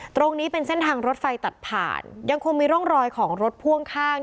ตรงนี้เป็นเส้นทางรถไฟตัดผ่านยังคงมีร่องรอยของรถพ่วงข้าง